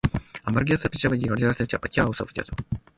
Some modern versions serve as handbags or purses.